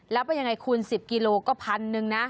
แล้วเป็นยังไงคูณ๑๐กิโลกรัมก็๑๐๐๐บาทนะ